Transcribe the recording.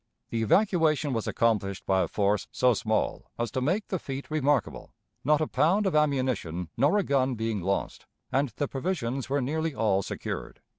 The evacuation was accomplished by a force so small as to make the feat remarkable, not a pound of ammunition nor a gun being lost, and the provisions were nearly all secured.